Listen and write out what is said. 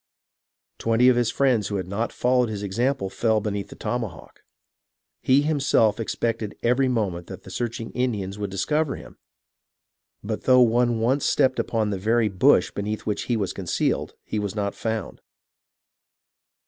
Twenty of his friends who had not followed his example fell be neath the tomahawk. He himself expected every moment that the searching Indians would discover him, but though one once stepped upon the very bush beneath which he was concealed, he was not found.